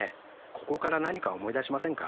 ここから何か思い出しませんか？